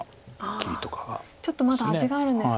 ちょっとまだ味があるんですか。